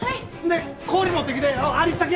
で氷持ってきて。